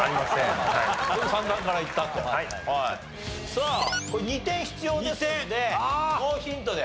さあこれ２点必要ですのでノーヒントで。